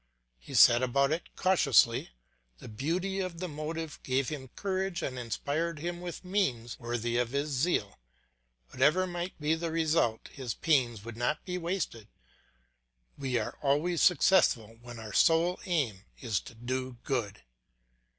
He set about it cautiously; the beauty of the motive gave him courage and inspired him with means worthy of his zeal. Whatever might be the result, his pains would not be wasted. We are always successful when our sole aim is to do good.